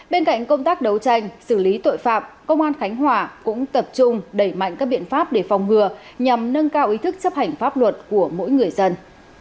bên cạnh công tác đấu tranh xử lý tội phạm công an khánh hòa cũng tập trung đẩy mạnh các biện pháp để phòng ngừa nhằm nâng cao ý thức chấp hành pháp luật của mỗi người dân